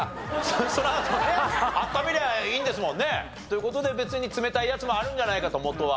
そのあとね温めりゃいいんですもんね。という事で別に冷たいやつもあるんじゃないかと元は。